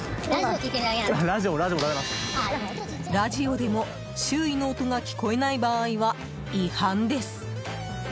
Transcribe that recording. ラジオでも、周囲の音が聞こえない場合は違反です。